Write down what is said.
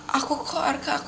makanya baru damai aja